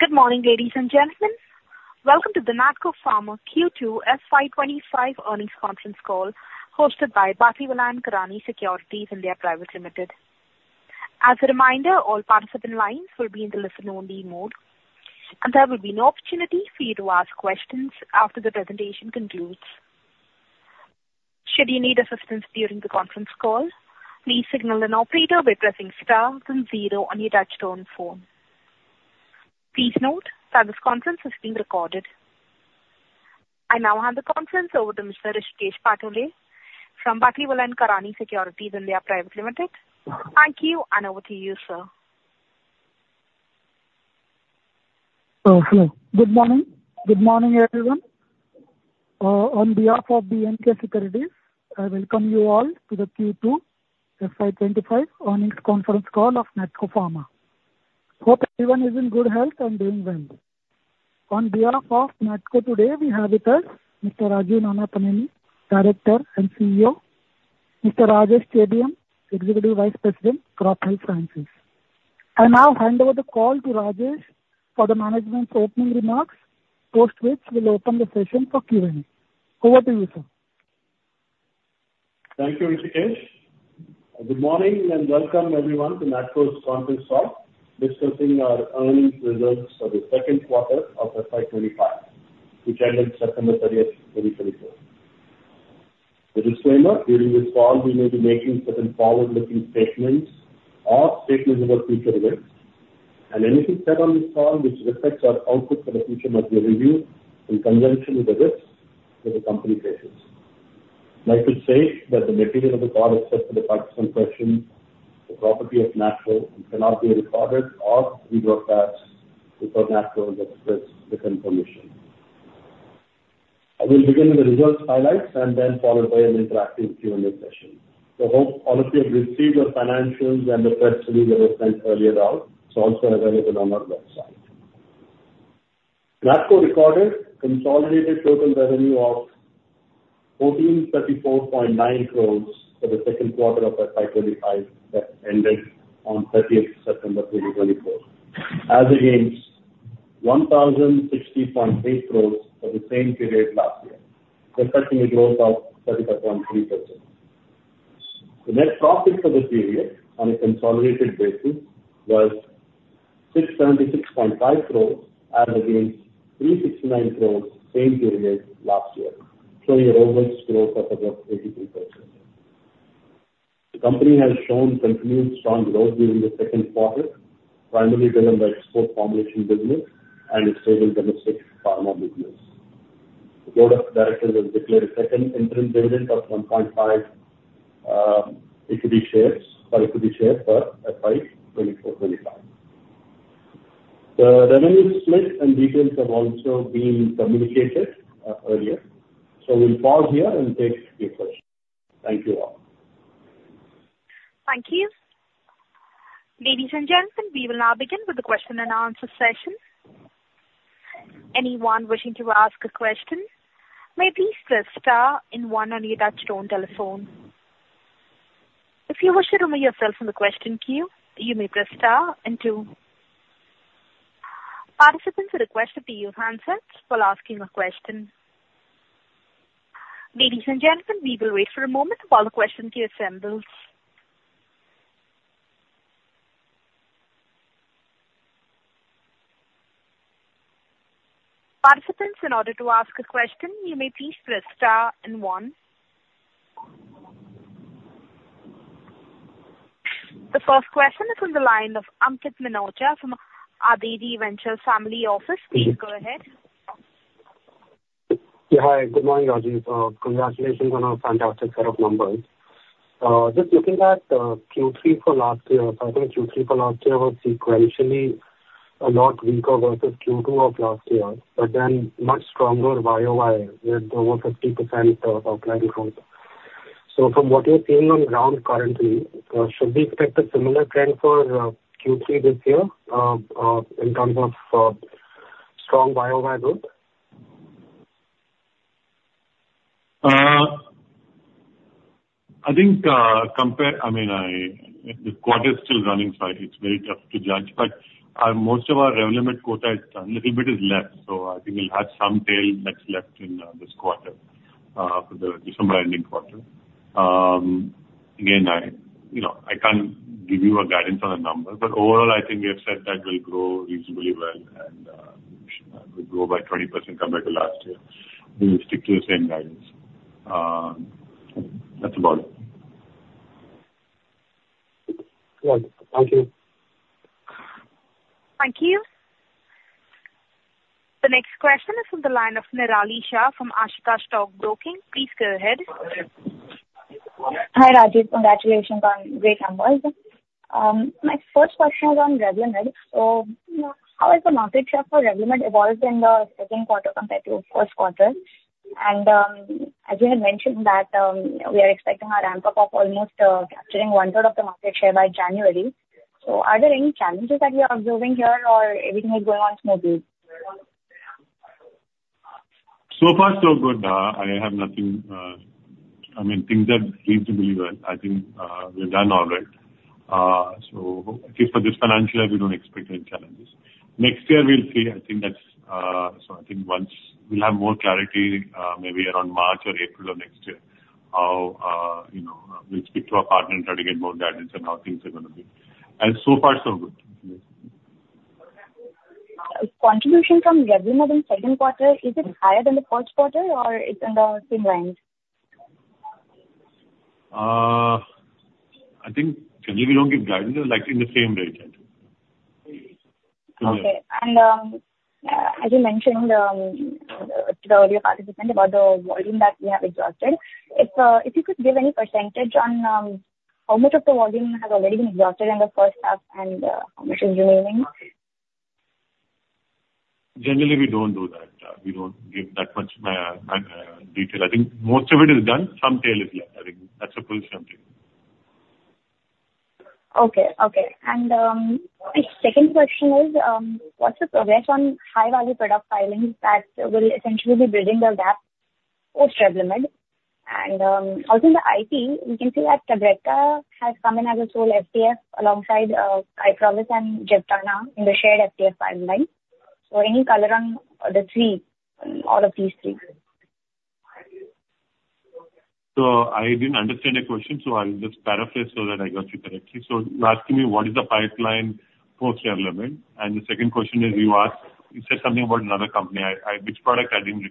Good morning, ladies and gentlemen. Welcome to the Natco Pharma Q2 FY 2025 earnings conference call hosted by Batlivala & Karani Securities India Private Limited. As a reminder, all participant lines will be in the listen-only mode, and there will be no opportunity for you to ask questions after the presentation concludes. Should you need assistance during the conference call, please signal an operator by pressing star and zero on your touch-tone phone. Please note that this conference is being recorded. I now hand the conference over to Mr. Hrishikesh Patole from Batlivala & Karani Securities India Private Limited. Thank you, and over to you, sir. Hello. Good morning. Good morning, everyone. On behalf of B&K Securities, I welcome you all to the Q2 FY 2025 earnings conference call of Natco Pharma. Hope everyone is in good health and doing well. On behalf of NATCO today, we have with us Mr. Rajeev Nannapaneni, Director and CEO; Mr. Rajesh Chebiyam, Executive Vice President, Crop Health Sciences. I now hand over the call to Rajesh for the management's opening remarks, after which we'll open the session for Q&A. Over to you, sir. Thank you, Hrishikesh. Good morning and welcome, everyone, to NATCO's conference call discussing our earnings results for the second quarter of FY 2025, which ended September 30th, 2024. The disclaimer: during this call, we may be making certain forward-looking statements or statements about future events, and anything said on this call which reflects our outlook for the future must be reviewed in conjunction with the risks that the company faces. I'd like to say that the material of the call is set for the participant questions, the property of NATCO, and cannot be recorded or read or attached before NATCO expresses its information. I will begin with the results highlights and then followed by an interactive Q&A session. I hope all of you have received your financials and the press release that was sent earlier out. It's also available on our website. NATCO recorded consolidated total revenue of 1,434.9 crores for the second quarter of FY 2025 that ended on 30th September 2024, as against 1,060.8 crores for the same period last year, reflecting a growth of 35.3%. The net profit for the period on a consolidated basis was 676.5 crores, as against 369 crores same period last year, showing a robust growth of about 83%. The company has shown continued strong growth during the second quarter, primarily driven by export formulation business and a stable domestic pharma business. The board of directors has declared a second interim dividend of 1.50 per equity share for FY24/25. The revenue split and details have also been communicated earlier, so we'll pause here and take a few questions. Thank you all. Thank you. Ladies and gentlemen, we will now begin with the question and answer session. Anyone wishing to ask a question may please press star and one on your touch-tone telephone. If you wish to remove yourself from the question queue, you may press star and two. Participants are requested to yield handsets while asking a question. Ladies and gentlemen, we will wait for a moment while the question queue assembles. Participants, in order to ask a question, you may please press star and one. The first question is from the line of Ankit Minocha from Adezi Ventures Family Office. Please go ahead. Yeah, hi. Good morning, Rajeev. Congratulations on a fantastic set of numbers. Just looking at Q3 for last year, I think Q3 for last year was sequentially a lot weaker versus Q2 of last year, but then much stronger YOY with over 50% outlying growth. So from what you're seeing on the ground currently, should we expect a similar trend for Q3 this year in terms of strong YOY growth? I think compare, I mean, the quarter is still running, so it's very tough to judge, but most of our Revlimid quota is a little bit less, so I think we'll have some tail that's left in this quarter, the December ending quarter. Again, I can't give you a guidance on the number, but overall, I think we have said that we'll grow reasonably well and we'll grow by 20% compared to last year. We will stick to the same guidance. That's about it. Wonderful. Thank you. Thank you. The next question is from the line of Nirali Shah from Ashika Stock Broking. Please go ahead. Hi, Rajeev. Congratulations on great numbers. My first question is on Revlimid. So how has the market share for Revlimid evolved in the second quarter compared to the first quarter? And as you had mentioned, we are expecting our ramp-up of almost capturing one-third of the market share by January. So are there any challenges that we are observing here, or everything is going on smoothly? So far, so good. I have nothing. I mean, things are reasonably well. I think we've done all right. So at least for this financial year, we don't expect any challenges. Next year, we'll see. I think that's so I think once we'll have more clarity, maybe around March or April of next year, we'll speak to our partner and try to get more guidance on how things are going to be, and so far, so good. Contribution from Revlimid in second quarter, is it higher than the first quarter, or it's in the same line? I think generally, we don't give guidance. It's like in the same range. Okay. And as you mentioned to the earlier participant about the volume that we have exhausted, if you could give any percentage on how much of the volume has already been exhausted in the first half and how much is remaining? Generally, we don't do that. We don't give that much detail. I think most of it is done. Some tail is left. I think that's a crucial thing. Okay. Okay. And my second question is, what's the progress on high-value product filings that will essentially be bridging the gap post-Revlimid? And also in the pipeline, we can see that Tabrecta has come in as a sole FTF alongside Kyprolis and Jevtana in the shared FTF pipeline. So any color on the three, all of these three? So I didn't understand your question, so I'll just paraphrase so that I got you correctly. So you're asking me what is the pipeline post-Revlimid? And the second question is you said something about another company. Which product I didn't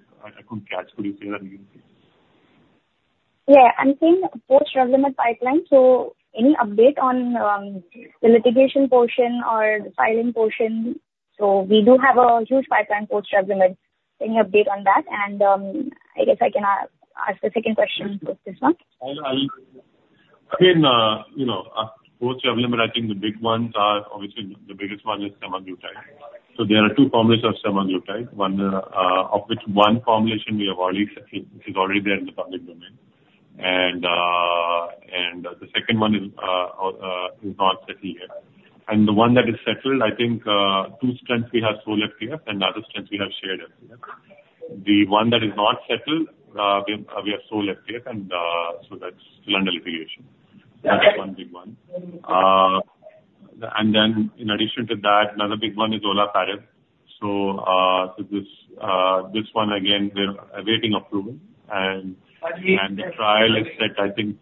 catch? Could you say that again? Yeah. I'm seeing post-Revlimid pipeline. So any update on the litigation portion or the filing portion? So we do have a huge pipeline post-Revlimid. Any update on that? And I guess I can ask the second question of this one. Again, post-Revlimid, I think the big ones are obviously the biggest one is semaglutide. So there are two formulations of semaglutide, one of which one formulation we have already settled. It's already there in the public domain. And the second one is not settled yet. And the one that is settled, I think two strengths we have sole FTF and other strengths we have shared FTF. The one that is not settled, we have sole FTF, and so that's still under litigation. That's one big one. And then in addition to that, another big one is olaparib. So this one, again, we're awaiting approval. And the trial is set, I think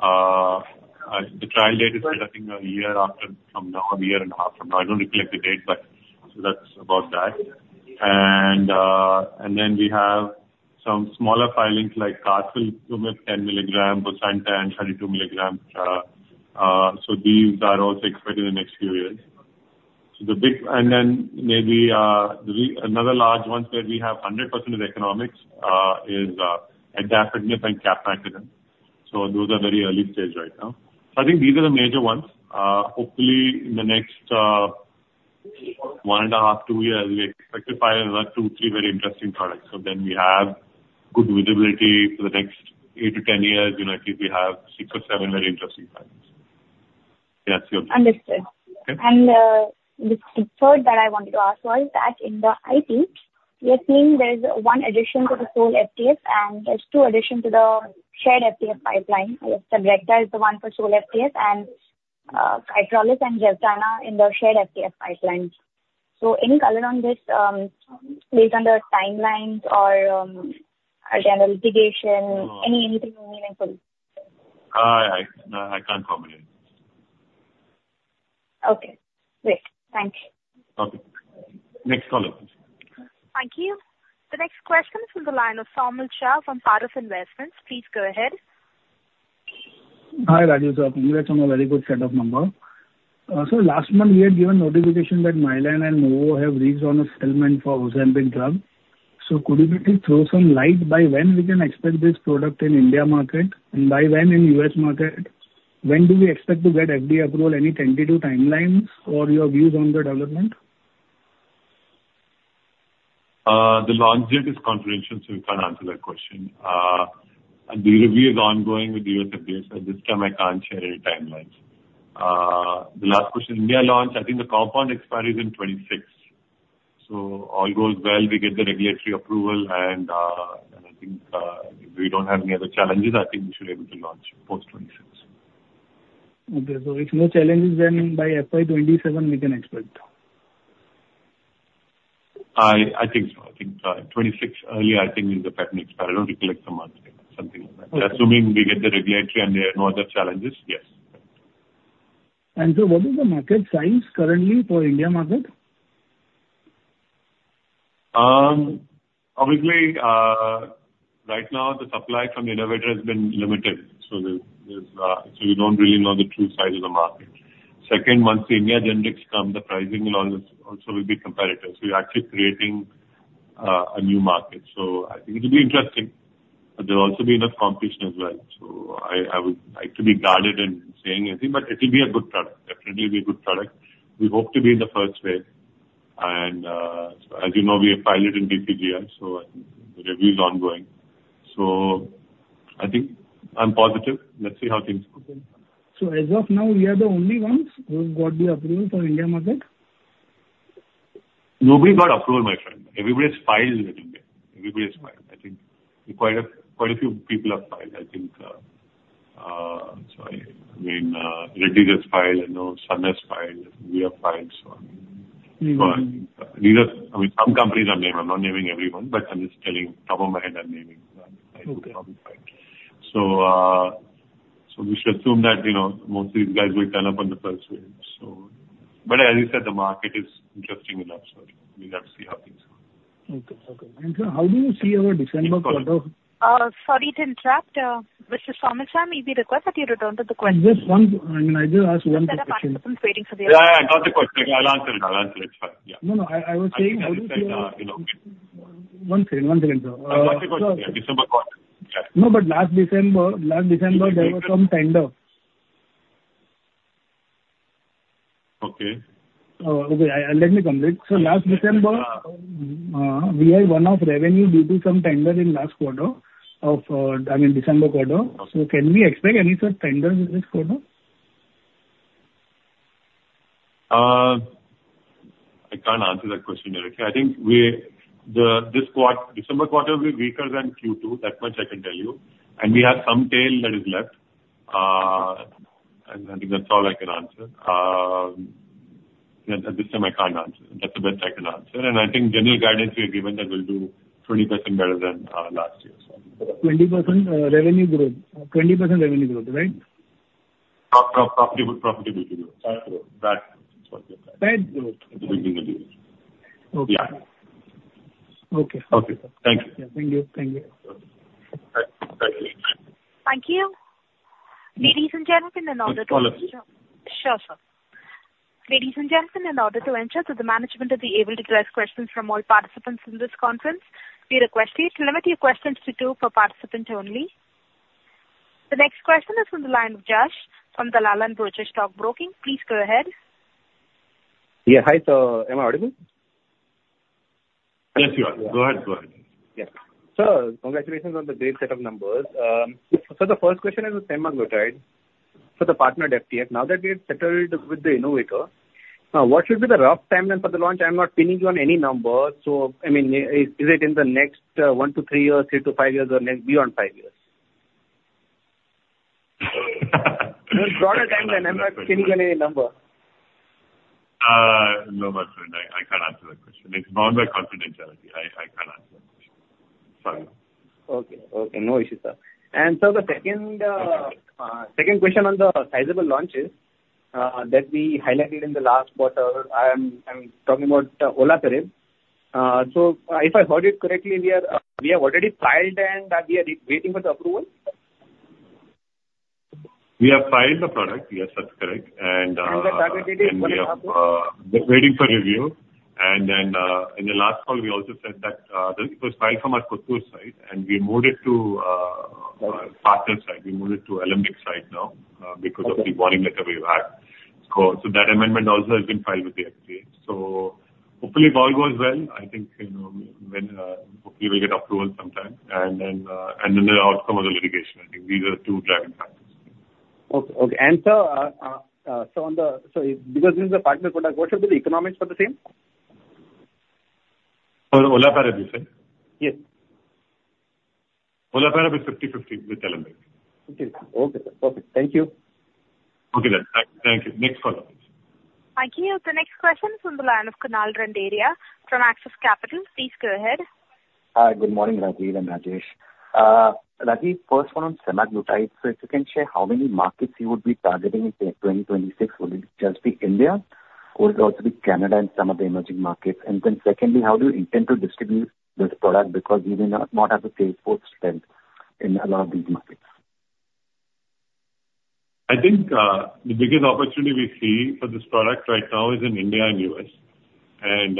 the trial date is set, I think, a year from now, a year and a half from now. I don't recollect the date, but so that's about that. And then we have some smaller filings like Castle 10 milligram, bosentan, and Bant 32 milligram. So these are also expected in the next few years. And then maybe another large one where we have 100% of the economics is adagrasib and capmatinib. So those are very early stage right now. So I think these are the major ones. Hopefully, in the next one and a half, two years, we expect to find another two, three very interesting products. So then we have good visibility for the next 8-10 years. I think we have six or seven very interesting filings. Yeah, that's yours. Understood. And the third that I wanted to ask was that in the IP, we are seeing there's one addition to the sole FTF, and there's two additions to the shared FTF pipeline. Tabrecta is the one for sole FTF, and Kyprolis and Jevtana in the shared FTF pipeline. So any color on this based on the timelines or general litigation, anything meaningful? I can't comment. Okay. Great. Thank you. Okay. Next caller. Thank you. The next question is from the line of Dharmil Shah from Paras Investments. Please go ahead. Hi, Rajeev. Congrats on a very good set of numbers. So last month, we had given notification that Mylan and Novo have reached on a settlement for Ozempic drug. So could you please throw some light by when we can expect this product in India market, and by when in U.S. market? When do we expect to get FDA approval? Any tentative timelines or your views on the development? The launch date is confidential, so we can't answer that question. And the review is ongoing with the U.S. FDA. At this time, I can't share any timelines. The last question, India launch, I think the compound expires in 2026. So all goes well, we get the regulatory approval, and I think we don't have any other challenges. I think we should be able to launch post-2026. Okay, so if no challenges, then by FY 2027, we can expect. I think so. I think 26 earlier, I think, is the patent expiry. I don't recollect the month, something like that. Assuming we get the regulatory and there are no other challenges, yes. What is the market size currently for India market? Obviously, right now, the supply from innovator has been limited. So we don't really know the true size of the market. Second, once the Indian generic comes, the pricing will also be competitive. So we're actually creating a new market. So I think it'll be interesting. There'll also be enough competition as well. So I would like to be guarded in saying anything, but it'll be a good product. Definitely be a good product. We hope to be in the first wave. And as you know, we have piloted in DCGI, so the review is ongoing. So I think I'm positive. Let's see how things go. As of now, we are the only ones who got the approval for India market? Nobody got approval, my friend. Everybody has filed in India. Everybody has filed. I think quite a few people have filed. I think, sorry, I mean, Reddy has filed. I know Sun has filed. We have filed. So I mean, these are I mean, some companies are named. I'm not naming everyone, but I'm just telling top of my head I'm naming. I think we'll probably find it. So we should assume that most of these guys will turn up on the first wave. But as you said, the market is interesting enough, so we'll have to see how things go. Okay. And how do you see our December quarter? Sorry to interrupt. Mr. Dharmil Shah, may we request that you return to the question? Just one. I mean, I just asked one question. There's about a question waiting for the answer. Yeah, yeah. I got the question. I'll answer it. I'll answer it. It's fine. Yeah. No, no. I was saying how do you see our? One second. One second. One second. I got the question. Yeah. December quarter. No, but last December, there were some tenders. Okay. Oh, okay. Let me complete. So last December, we had one-off revenue due to some tenders in last quarter of, I mean, December quarter. So can we expect any such tenders in this quarter? I can't answer that question directly. I think this quarter, December quarter, will be weaker than Q2, that much I can tell you. And we have some tail that is left. And I think that's all I can answer. At this time, I can't answer. That's the best I can answer. And I think general guidance we have given that we'll do 20% better than last year, so. 20% revenue growth. 20% revenue growth, right? Profitability growth. That growth. That growth. That's the big thing that we have. Okay. Okay. Okay. Thank you. Yeah. Thank you. Thank you. Thank you. Ladies and gentlemen, in order to. Let me call it. Sure, sir. Ladies and gentlemen, in order to enter, the management will be able to address questions from all participants in this conference. We request you to limit your questions to two per participant only. The next question is from the line of Jash from Dalal & Broacha Stock Broking. Please go ahead. Yeah. Hi. So am I audible? Yes, you are. Go ahead. Go ahead. Yeah. So congratulations on the great set of numbers. So the first question is with semaglutide for the partnered FDF. Now that we have settled with the Innovator, what should be the rough timeline for the launch? I'm not pinning you on any number. So I mean, is it in the next one to three years, three to five years, or beyond five years? Broader timeline. I'm not pinning you on any number. No, my friend. I can't answer that question. It's bound by confidentiality. I can't answer that question. Sorry. Okay. No issues, sir. And so the second question on the sizable launches that we highlighted in the last quarter, I'm talking about olaparib. So if I heard it correctly, we have already filed and we are waiting for the approval? We have filed the product. Yes, that's correct. And. The target date is when it happens? Waiting for review. And then in the last call, we also said that it was filed from our Kothur side, and we moved it to our partner side. We moved it to Alembic side now because of the warning letter we've had. So that amendment also has been filed with the FDA. So hopefully, if all goes well, I think hopefully we'll get approval sometime. And then the outcome of the litigation, I think these are the two driving factors. Okay. Because this is a partner product, what should be the economics for the same? For olaparib, you said? Yes. olaparib is 50/50 with Alembic. 50/50. Okay. Perfect. Thank you. Okay then. Thank you. Next caller. Thank you. The next question is from the line of Kunal Randeria from Axis Capital. Please go ahead. Hi. Good morning, Rajeev and Rajesh. Rajeev, first one on semaglutide. So if you can share how many markets you would be targeting in 2026, would it just be India or would it also be Canada and some of the emerging markets? And then secondly, how do you intend to distribute this product because we may not have a sales force in a lot of these markets? I think the biggest opportunity we see for this product right now is in India and U.S. And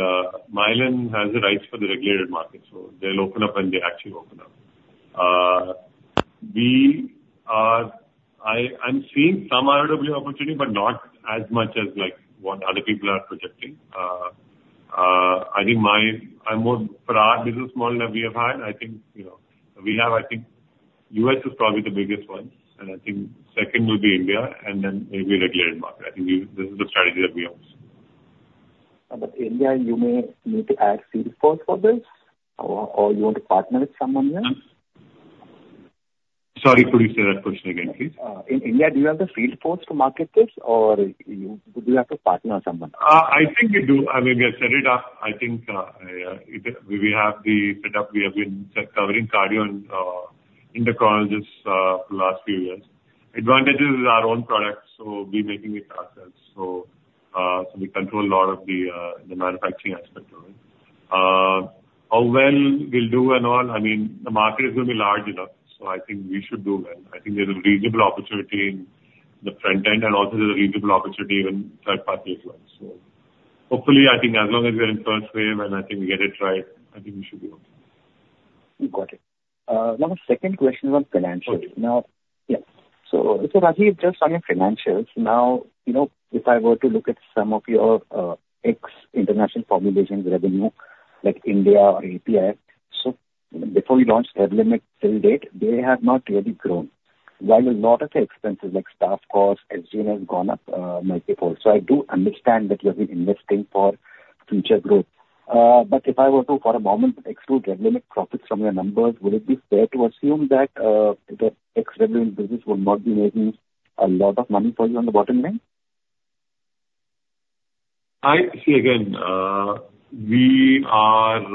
Mylan has the rights for the regulated market, so they'll open up when they actually open up. I'm seeing some ROW opportunity, but not as much as what other people are projecting. I think for our business model that we have had, I think we have, I think U.S. is probably the biggest one. And I think second will be India and then maybe regulated market. I think this is the strategy that we have. But India, you may need to add field force for this, or you want to partner with someone else? Sorry. Please say that question again, please. In India, do you have the field force to market this, or do you have to partner with someone? I think we do. I mean, we have set it up. I think we have the setup. We have been covering cardio and endocrinologists for the last few years. Advantage is our own product, so we're making it ourselves, so we control a lot of the manufacturing aspect of it. How well we'll do and all, I mean, the market is going to be large enough, so I think we should do well. I think there's a reasonable opportunity in the front end, and also there's a reasonable opportunity in third-party as well, so hopefully, I think as long as we're in first wave and I think we get it right, I think we should be okay. Got it. Now, the second question is on financials. Now, yeah. So Rajeev, just on your financials, now, if I were to look at some of your ex-international formulation revenue, like India or API, so before we launched Alembic till date, they have not really grown. While a lot of the expenses, like staff costs, SG&A has gone up multiple. So I do understand that you have been investing for future growth. But if I were to, for a moment, exclude Alembic profits from your numbers, would it be fair to assume that the ex-Revlimid business will not be making a lot of money for you on the bottom line? See, again, we are going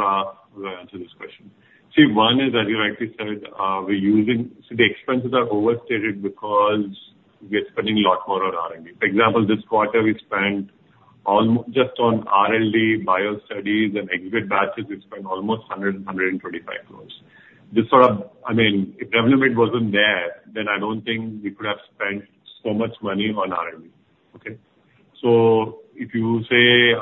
to answer this question. See, one is, as you rightly said, we're using so the expenses are overstated because we are spending a lot more on R&D. For example, this quarter, we spent just on R&D, bio studies, and exhibit batches, we spent almost 100 crore-125 crore. Just sort of, I mean, if Revlimid wasn't there, then I don't think we could have spent so much money on R&D. Okay? So if you say,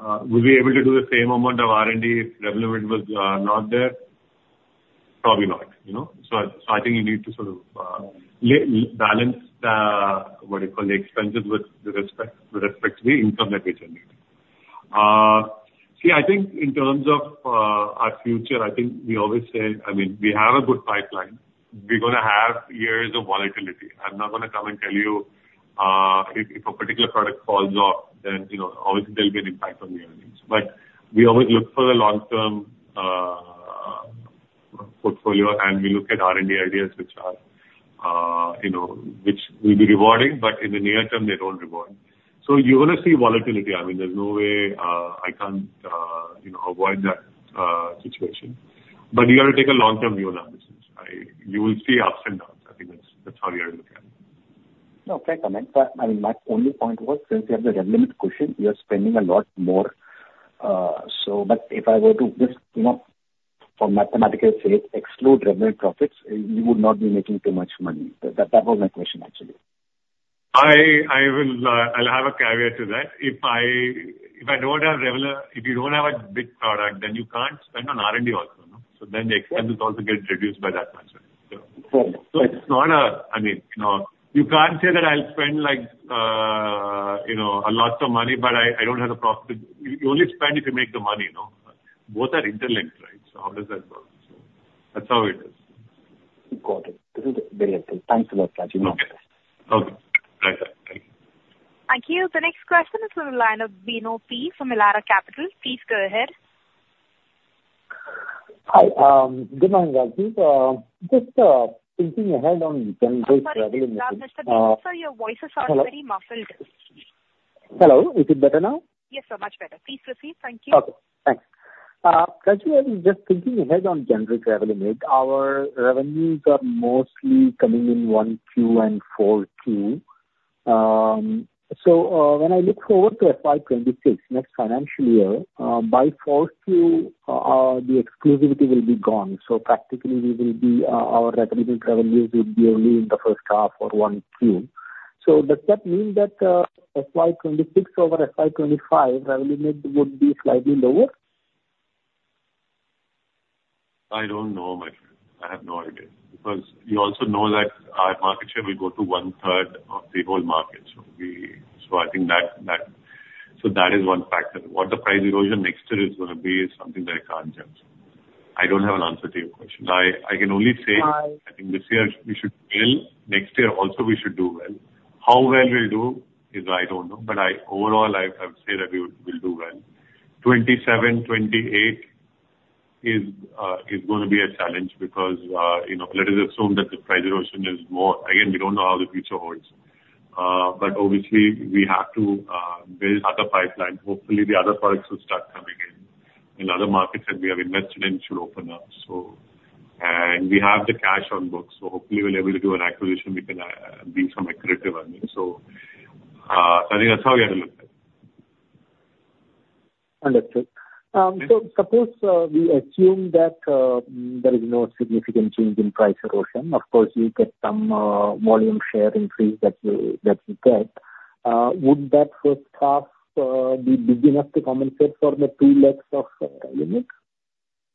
"Would we be able to do the same amount of R&D if Revlimid was not there?" Probably not. So I think you need to sort of balance what you call the expenses with respect to the income that we generate. See, I think in terms of our future, I think we always say, "I mean, we have a good pipeline. We're going to have years of volatility. I'm not going to come and tell you if a particular product falls off, then obviously there'll be an impact on the earnings, but we always look for the long-term portfolio, and we look at R&D ideas, which will be rewarding, but in the near term, they don't reward, so you're going to see volatility. I mean, there's no way I can't avoid that situation, but you got to take a long-term view on that business. You will see ups and downs. I think that's how you have to look at it. Okay. I mean, my only point was, since you have the Revlimid question, you're spending a lot more. But if I were to just, for mathematical sake, exclude Revlimid profits, you would not be making too much money. That was my question, actually. I'll have a caveat to that. If I don't have Revlimid, if you don't have a big product, then you can't spend on R&D also. So then the expenses also get reduced by that much. So it's not a I mean, you can't say that I'll spend a lot of money, but I don't have a profit. You only spend if you make the money. Both are interlinked, right? So how does that work? So that's how it is. Got it. This is very helpful. Thanks a lot, Rajeev. Okay. Right. Thank you. Thank you. The next question is from the line of Bino Pathiparampil from Elara Capital. Please go ahead. Hi. Good morning, Rajeev. Just thinking ahead on general travel and. Hello. Mr. Bino? So your voice is already very muffled. Hello. Is it better now? Yes, sir. Much better. Please proceed. Thank you. Okay. Thanks. Rajeev, just thinking ahead on generic Revlimid and rate, our revenues are mostly coming in 1Q and 4Q. So when I look forward to FY 2026, next financial year, by 4Q, the exclusivity will be gone. So practically, our revenue will be only in the first half or 1Q. So does that mean that FY 2026 over FY 2025, Revlimid would be slightly lower? I don't know, my friend. I have no idea. Because you also know that our market share will go to one-third of the whole market. So I think that so that is one factor. What the price erosion next year is going to be is something that I can't judge. I don't have an answer to your question. I can only say, I think this year we should fare well. Next year also, we should do well. How well we'll do is I don't know. But overall, I would say that we will do well. 2027, 2028 is going to be a challenge because let us assume that the price erosion is more. Again, we don't know how the future holds. But obviously, we have to build other pipelines. Hopefully, the other products will start coming in. And other markets that we have invested in should open up. We have the cash on books. Hopefully, we'll be able to do an acquisition. We can be some accurate revenue. I think that's how we have to look at it. Understood. So suppose we assume that there is no significant change in price erosion. Of course, you get some volume share increase that you get. Would that first half be big enough to compensate for the 2x of Revlimid,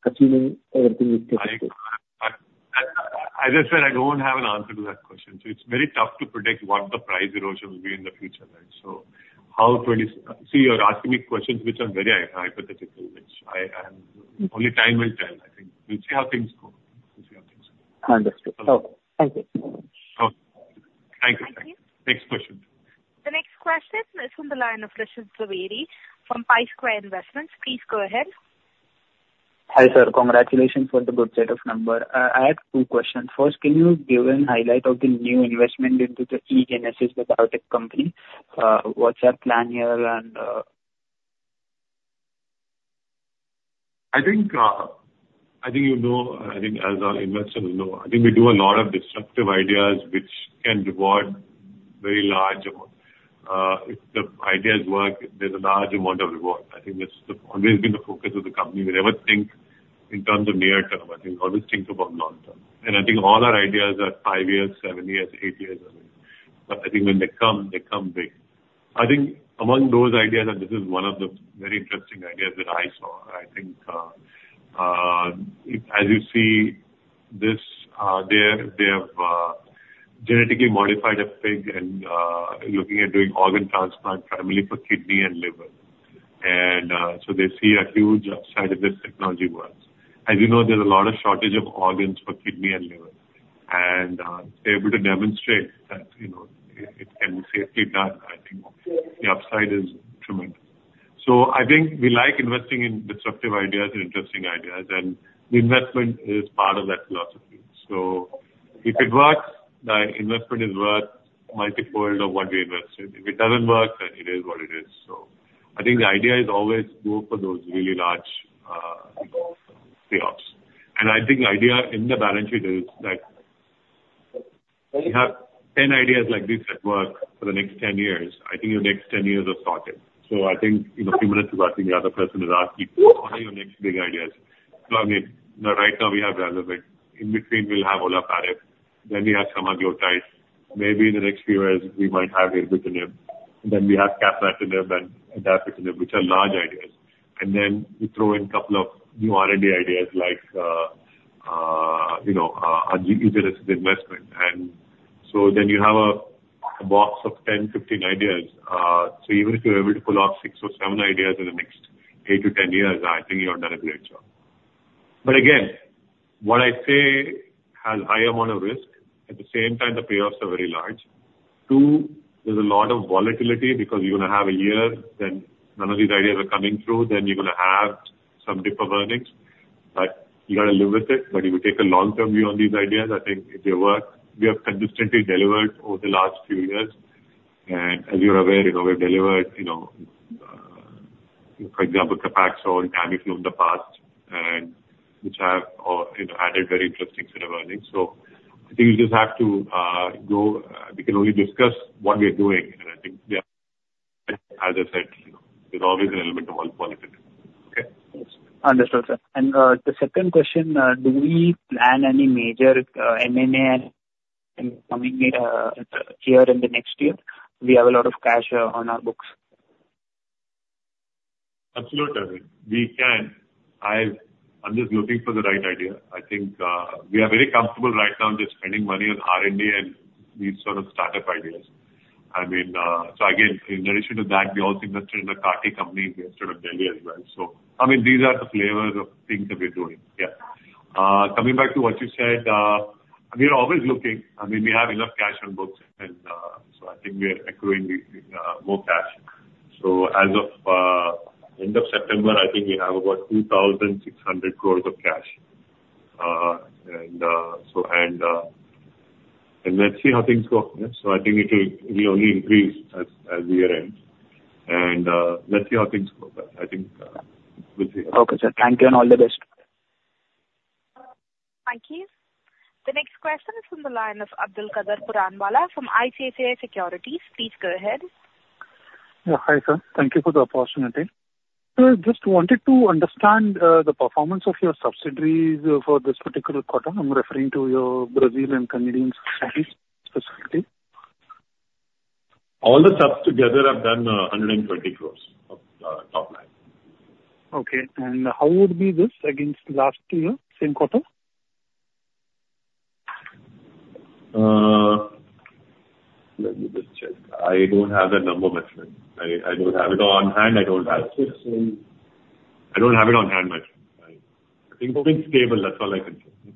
assuming everything is still stable? I just said I don't have an answer to that question. So it's very tough to predict what the price erosion will be in the future, right? So, how do you see, you're asking me questions which are very hypothetical, which only time will tell. I think we'll see how things go. We'll see how things go. Understood. Okay. Thank you. Okay. Thank you. Thank you. Next question. The next question is from the line of Hrishit Jhaveri from Pi Square Investments. Please go ahead. Hi, sir. Congratulations for the good set of numbers. I have two questions. First, can you give a highlight of the new investment into the eGenesis Biotech Company? What's our plan here, and? I think you know, I think as our investors know, I think we do a lot of disruptive ideas which can reward very large amounts. If the ideas work, there's a large amount of reward. I think that's always been the focus of the company. We never think in terms of near-term. I think we always think about long-term, and I think all our ideas are five years, seven years, eight years away. But I think when they come, they come big. I think among those ideas, and this is one of the very interesting ideas that I saw, I think, as you see this, they have genetically modified a pig and looking at doing organ transplant primarily for kidney and liver. So they see a huge upside if this technology works. As you know, there's a lot of shortage of organs for kidney and liver. They're able to demonstrate that it can be safely done. I think the upside is tremendous. So I think we like investing in destructive ideas and interesting ideas. And the investment is part of that philosophy. So if it works, the investment is worth multiple of what we invested. If it doesn't work, then it is what it is. So I think the idea is always go for those really large payoffs. And I think the idea in the balance sheet is that you have 10 ideas like this that work for the next 10 years. I think your next 10 years are sorted. So I think a few minutes ago, I think the other person was asking, "What are your next big ideas?" So I mean, right now we have Revlimid. In between, we'll have olaparib. Then we have liraglutide. Maybe in the next few years, we might have olaparib. Then we have capmatinib and Adagrasib, which are large ideas. And then we throw in a couple of new R&D ideas like eGenesis investment. And so then you have a box of 10, 15 ideas. So even if you're able to pull off six or seven ideas in the next eight to 10 years, I think you've done a great job. But again, what I say has a high amount of risk. At the same time, the payoffs are very large. Too, there's a lot of volatility because you're going to have a year, then none of these ideas are coming through. Then you're going to have some dip of earnings. But you got to live with it. But if you take a long-term view on these ideas, I think if they work, we have consistently delivered over the last few years. And as you're aware, we've delivered, for example, Copaxone or Tamiflu in the past, which have added very interesting set of earnings. So I think we just have to go we can only discuss what we're doing. And I think, yeah, as I said, there's always an element of volatility. Okay? Understood, sir. And the second question, do we plan any major M&A coming here in the next year? We have a lot of cash on our books. Absolutely. We can. I'm just looking for the right idea. I think we are very comfortable right now just spending money on R&D and these sort of startup ideas. I mean, so again, in addition to that, we also invested in a CAR-T company in Delhi as well. So I mean, these are the flavors of things that we're doing. Yeah. Coming back to what you said, we're always looking. I mean, we have enough cash on books, and so I think we're accruing more cash. So as of end of September, I think we have about 2,600 crores of cash, and so. And let's see how things go. I think it will only increase as the year ends, and let's see how things go. But I think we'll see. Okay, sir. Thank you and all the best. Thank you. The next question is from the line of Abdul Qadir Puranwala from ICICI Securities. Please go ahead. Yeah. Hi, sir. Thank you for the opportunity. So I just wanted to understand the performance of your subsidiaries for this particular quarter. I'm referring to your Brazilian-Canadian subsidiaries specifically. All the subs together have done 120 crores of top line. Okay. And how would be this against last year, same quarter? Let me just check. I don't have that number, my friend. I don't have it on hand. I don't have it. I don't have it on hand, my friend. I think it's stable. That's all I can say.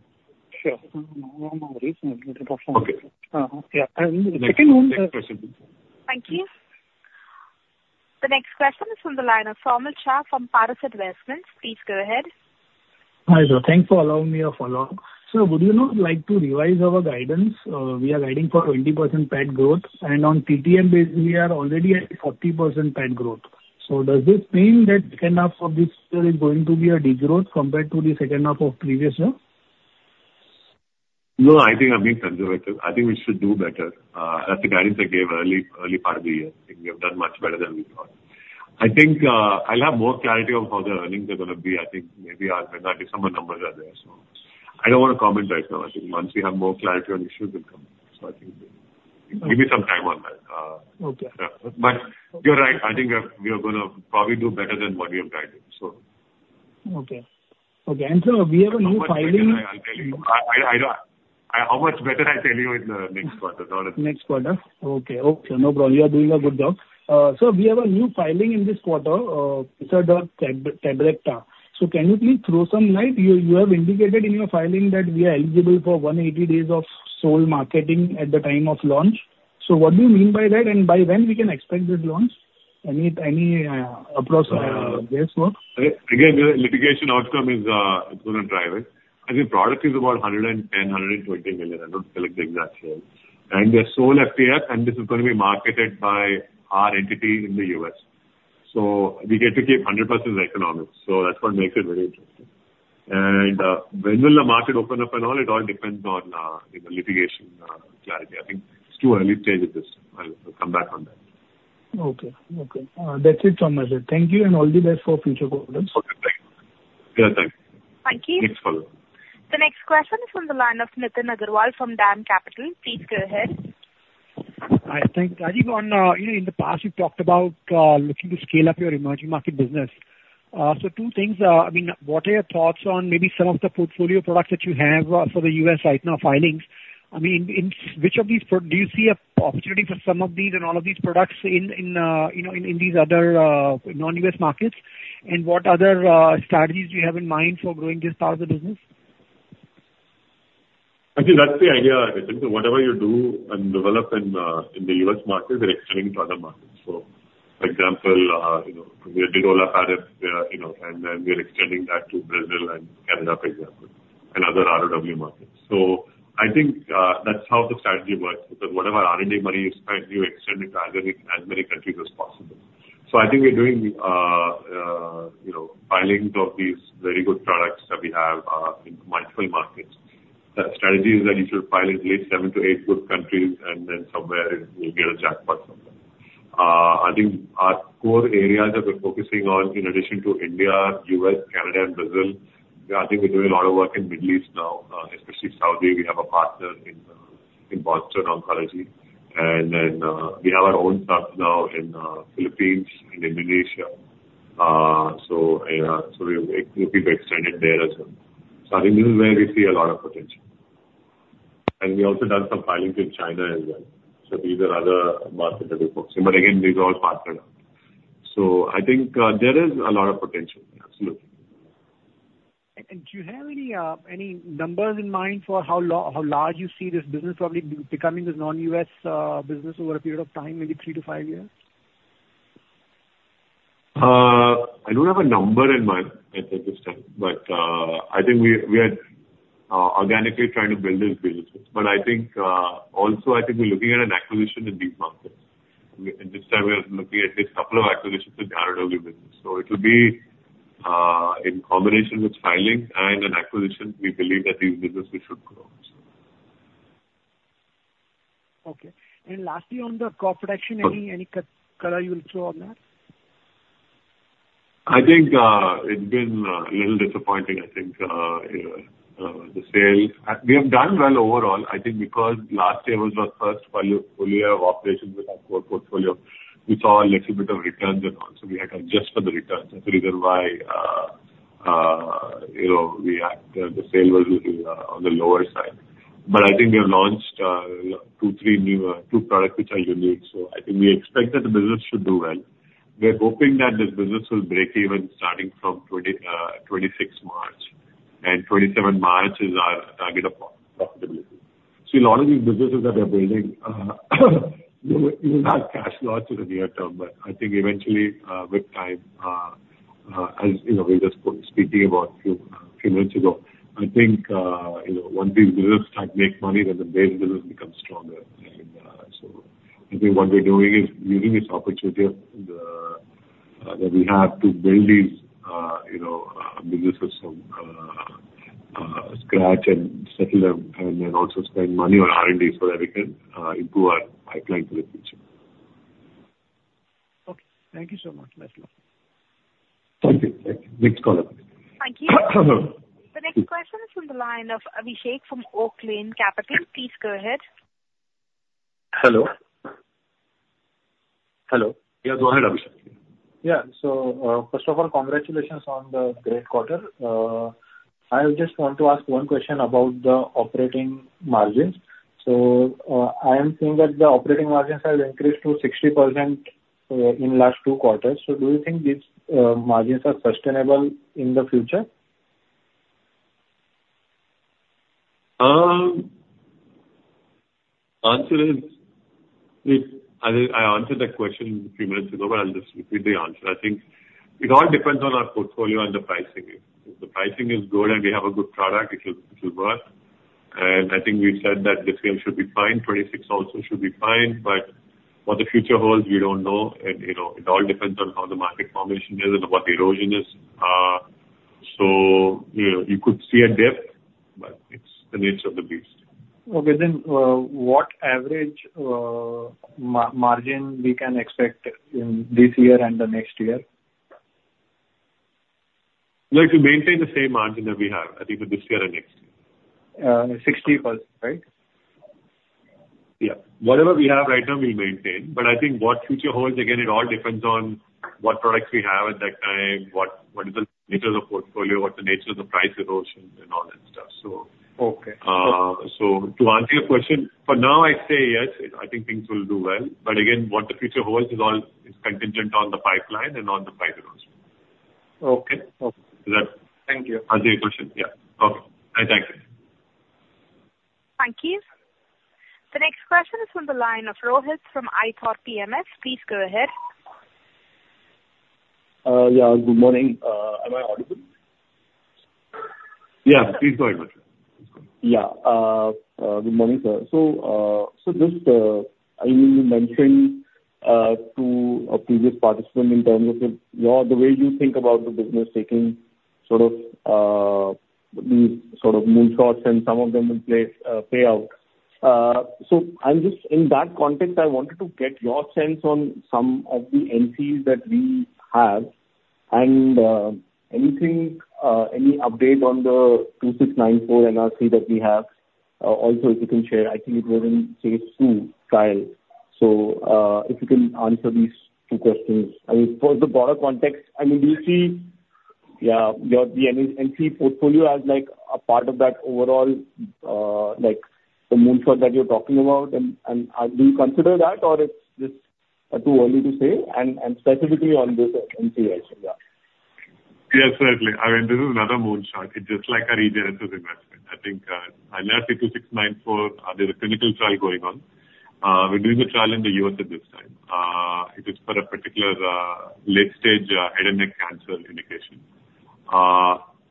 Sure. No worries. It's a good performance. Okay. Yeah, and the second one is. Thank you. The next question is from the line of Dharmil Shah from Paras Investments. Please go ahead. Hi sir. Thanks for allowing me to follow up. Sir, would you not like to revise our guidance? We are guiding for 20% PAT growth. And on TTM basis, we are already at 40% PAT growth. So does this mean that second half of this year is going to be a degrowth compared to the second half of previous year? No, I think I've been conservative. I think we should do better. That's the guidance I gave early part of the year. I think we have done much better than we thought. I think I'll have more clarity on how the earnings are going to be. I think maybe our December numbers are there. So I don't want to comment right now. I think once we have more clarity, an issue will come. So I think give me some time on that. Okay. But you're right. I think we are going to probably do better than what we have guided, so. Okay. And sir, we have a new filing. How much better? I'll tell you in the next quarter, not in the next quarter. Next quarter. Okay. Okay. No problem. You are doing a good job. Sir, we have a new filing in this quarter, Tabrecta. So can you please throw some light? You have indicated in your filing that we are eligible for 180 days of sole marketing at the time of launch. So what do you mean by that? And by when can we expect this launch? Any rough guesswork? Again, the litigation outcome is going to drive it. I think product is about $110 million-$120 million. I don't collect the exact sales. And they're sole FTF, and this is going to be marketed by our entity in the U.S., So we get to keep 100% of the economics. So that's what makes it very interesting. And when will the market open up and all? It all depends on litigation clarity. I think it's too early stage at this time. I'll come back on that. Okay. Okay. That's it from my side. Thank you and all the best for future quarters. Okay. Thank you. Yeah. Thanks. Thank you. Thanks for the. The next question is from the line of Nitin Agarwal from DAM Capital. Please go ahead. Hi. Thanks, Rajeev. In the past, we've talked about looking to scale up your emerging market business. So two things. I mean, what are your thoughts on maybe some of the portfolio products that you have for the U.S. right now, filings? I mean, which of these do you see an opportunity for some of these and all of these products in these other non-U.S. markets? And what other strategies do you have in mind for growing this part of the business? I think that's the idea. I think whatever you do and develop in the U.S. market, we're extending to other markets. So for example, we did olaparib, and then we're extending that to Brazil and Canada, for example, and other ROW markets. So I think that's how the strategy works. Because whatever R&D money you spend, you extend it to as many countries as possible. So I think we're doing filings of these very good products that we have in multiple markets. The strategy is that you should file in at least seven to eight good countries, and then somewhere you'll get a jackpot from them. I think our core areas that we're focusing on, in addition to India, U.S., Canada, and Brazil, I think we're doing a lot of work in the Middle East now, especially Saudi. We have a partner in Boston Oncology. And then we have our own subs now in the Philippines and Indonesia. So we're looking to extend it there as well. So I think this is where we see a lot of potential. And we also done some filings in China as well. So these are other markets that we're focusing on. But again, these are all partners. So I think there is a lot of potential. Absolutely. Do you have any numbers in mind for how large you see this business probably becoming, this non-U.S. business over a period of time, maybe three to five years? I don't have a number in mind at this time. But I think we are organically trying to build this business. But I think also, I think we're looking at an acquisition in these markets. And this time, we're looking at at least a couple of acquisitions in the ROW business. So it will be in combination with filings and an acquisition. We believe that these businesses should grow. Okay. And lastly, on the corporate action, any color you will throw on that? I think it's been a little disappointing. I think the sales we have done well overall. I think because last year was our first full year of operations with our core portfolio, we saw a little bit of returns and all. So we had to adjust for the returns. That's the reason why we had the sale was on the lower side. But I think we have launched two, three new products which are unique. So I think we expect that the business should do well. We're hoping that this business will break even starting from March '26. And 27 March is our target of profitability. So a lot of these businesses that we're building, you will have cash lots in the near term. But I think eventually, with time, as we were just speaking about a few minutes ago, I think once these businesses start making money, then the base business becomes stronger. And so I think what we're doing is using this opportunity that we have to build these businesses from scratch and settle them and then also spend money on R&D so that we can improve our pipeline for the future. Okay. Thank you so much, Mr. Thank you. Thank you. Next caller. Thank you. The next question is from the line of Abhishek from Oaklane Capital. Please go ahead. Hello. Hello. Yeah. Go ahead, Abhishek. Yeah. So first of all, congratulations on the great quarter. I just want to ask one question about the operating margins. So I am seeing that the operating margins have increased to 60% in the last two quarters. So do you think these margins are sustainable in the future? Answer is, I answered that question a few minutes ago, but I'll just repeat the answer. I think it all depends on our portfolio and the pricing. If the pricing is good and we have a good product, it will work. And I think we've said that this year should be fine. 2026 also should be fine. But what the future holds, we don't know. And it all depends on how the market formation is and what the erosion is. So you could see a dip. But it's the nature of the beast. Okay. Then what average margin we can expect this year and the next year? We have to maintain the same margin that we have, I think, for this year and next year. 60%, right? Yeah. Whatever we have right now, we'll maintain. But I think what future holds, again, it all depends on what products we have at that time, what is the nature of the portfolio, what's the nature of the price erosion, and all that stuff. So to answer your question, for now, I'd say yes. I think things will do well. But again, what the future holds is all contingent on the pipeline and on the price erosion. Okay. Is that? Thank you. Answer your question. Yeah. Okay. I thank you. Thank you. The next question is from the line of Rohit from ithought PMS. Please go ahead. Yeah. Good morning. Am I audible? Yeah. Please go ahead, Rajeev. Yeah. Good morning, sir. So just I mean, you mentioned to a previous participant in terms of the way you think about the business, taking sort of these sort of moonshots and some of them will pay out. So in that context, I wanted to get your sense on some of the NCEs that we have. And any update on the NRC-2694 that we have? Also, if you can share. I think it was in phase II trial. So if you can answer these two questions. I mean, for the broader context, I mean, do you see, yeah, the NCE portfolio as a part of that overall, the moonshot that you're talking about? And do you consider that, or it's just too early to say? And specifically on this NCE, actually. Yeah. Yeah. Certainly. I mean, this is not a moonshot. It's just like a regenerative investment. I think unless it's 2694, there's a clinical trial going on. We're doing the trial in the U.S. at this time. It is for a particular late-stage head and neck cancer indication.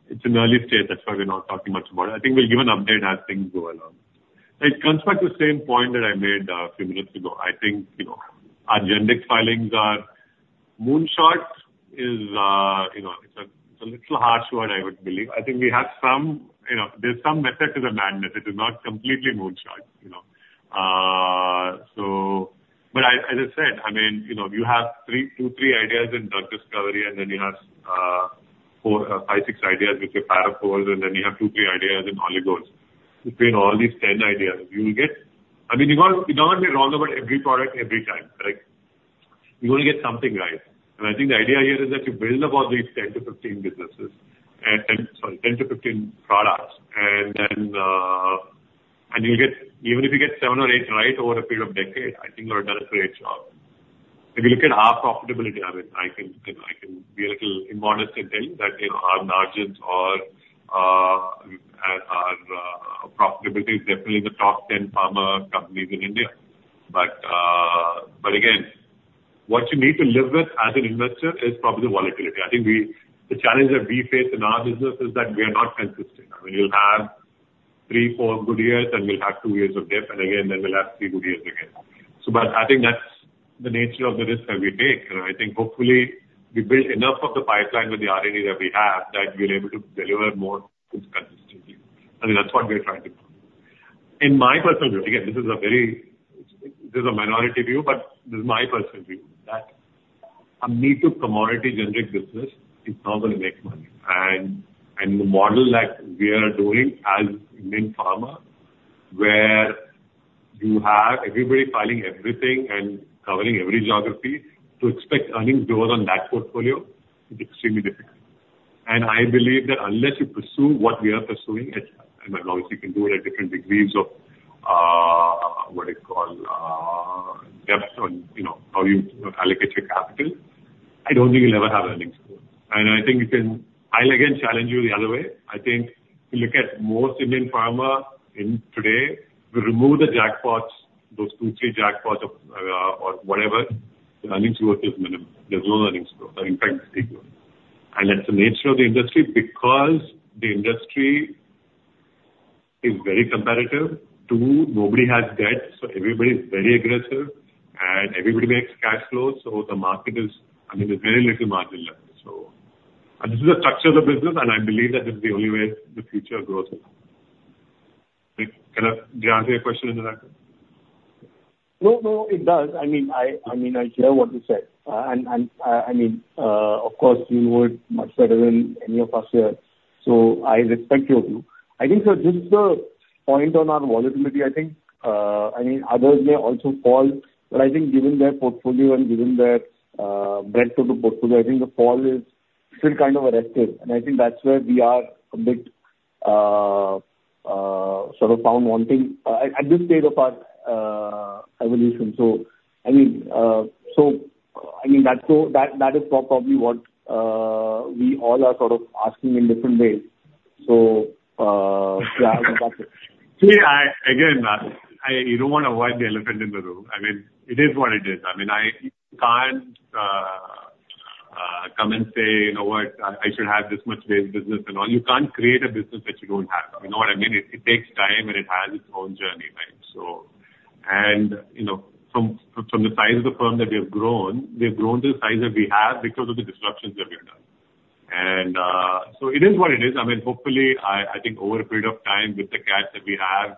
It's an early stage. That's why we're not talking much about it. I think we'll give an update as things go along. It comes back to the same point that I made a few minutes ago. I think our generic filings are moonshot is a little harsh word, I would believe. I think we have some there's some method to the madness. It is not completely moonshot. But as I said, I mean, you have two, three ideas in drug discovery, and then you have five, six ideas with your Para IVs, and then you have two, three ideas in oligos. Between all these 10 ideas, you will get, I mean, you don't want to be wrong about every product every time. You want to get something right. And I think the idea here is that you build up all these 10-15 businesses and, sorry, 10-15 products. And even if you get seven or eight right over a period of decade, I think you'll have done a great job. If you look at our profitability, I mean, I can be a little immodest and tell you that our margins or our profitability is definitely in the top 10 pharma companies in India. But again, what you need to live with as an investor is probably the volatility. I think the challenge that we face in our business is that we are not consistent. I mean, we'll have three, four good years, and we'll have two years of dip, and again, then we'll have three good years again, but I think that's the nature of the risk that we take, and I think hopefully, we build enough of the pipeline with the R&D that we have that we're able to deliver more consistently. I mean, that's what we're trying to do. In my personal view, again, this is a minority view, but this is my personal view that a me-too commodity generic business is not going to make money, and the model that we are doing as in pharma, where you have everybody filing everything and covering every geography, to expect earnings growth on that portfolio, it's extremely difficult. I believe that unless you pursue what we are pursuing, and obviously, you can do it at different degrees of what do you call depth on how you allocate your capital, I don't think you'll ever have earnings growth. I think you can. I'll again challenge you the other way. I think if you look at most Indian pharma today, we remove the jackpots, those two, three jackpots or whatever, the earnings growth is minimal. There's no earnings growth. In fact, it's degrowth. That's the nature of the industry because the industry is very competitive. Two, nobody has debt. So everybody's very aggressive, and everybody makes cash flows. So the market is, I mean, there's very little margin left. So this is the structure of the business, and I believe that this is the only way the future growth is. Can I answer your question, Nitin Agarwal? No, no. It does. I mean, I share what you said. And I mean, of course, you know it much better than any of us here. So I respect your view. I think, sir, just the point on our volatility, I think, I mean, others may also fall. But I think given their portfolio and given their breadth of the portfolio, I think the fall is still kind of a red flag. And I think that's where we are a bit sort of found wanting at this stage of our evolution. So I mean, so I mean, that is probably what we all are sort of asking in different ways. So yeah, that's it. See, again, you don't want to avoid the elephant in the room. I mean, it is what it is. I mean, you can't come and say, "You know what? I should have this much base business and all." You can't create a business that you don't have. You know what I mean? It takes time, and it has its own journey, right? And from the size of the firm that we have grown, we have grown to the size that we have because of the disruptions that we've done. And so it is what it is. I mean, hopefully, I think over a period of time with the cash that we have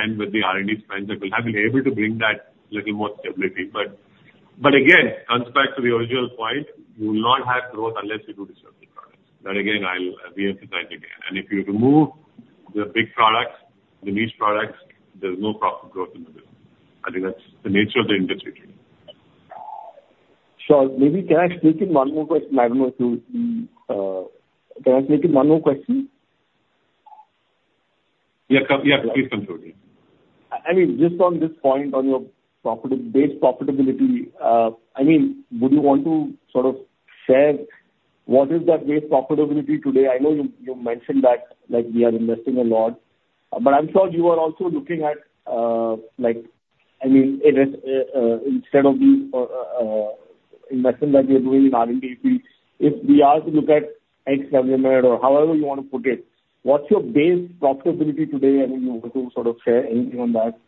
and with the R&D spend that we'll have, we'll be able to bring that little more stability. But again, it comes back to the original point. You will not have growth unless you do disruptive products. But again, I'll reemphasize again. And if you remove the big products, the niche products, there's no profit growth in the business. I think that's the nature of the industry today. Sir, may I ask one more question? I don't know if you can ask one more question? Yeah. Yeah. Please come through. Yeah. I mean, just on this point on your base profitability, I mean, would you want to sort of share what is that base profitability today? I know you mentioned that we are investing a lot. But I'm sure you are also looking at, I mean, instead of the investment that we are doing in R&D, if we are to look at ex-government or however you want to put it, what's your base profitability today? I mean, you want to sort of share anything on that?